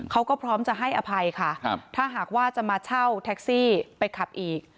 เขาก็พร้อมจะให้อภัยค่ะถ้าหากว่าจะมาเช่าแท็กซี่ไปขับอีก